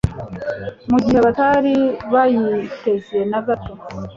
mu gihe batari bayiteze na gato